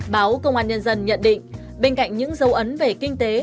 báo công an nhân dân nhận định bên cạnh những dấu ấn về kinh tế